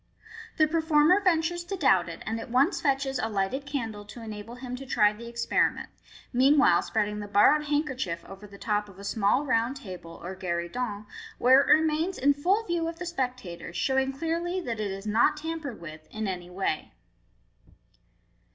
The performer ventures to doubt it, and at once fetches a lighted candle to enable him to try the experiment, meanwhile spreading the borrowed handkerchief over the top of a small round table, or gueridon, where it remains in full view of the spectators, showing clearly that it is noi tampered with in any way.